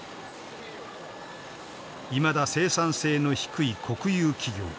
いまだ生産性の低い国有企業。